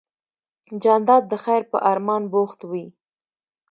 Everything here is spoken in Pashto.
جانداد د خیر په ارمان بوخت وي.